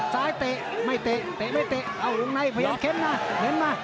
ซ้ายเตะไม่เตะเตะไม่เตะเอาลงในพยายามเข้มมาเดินมา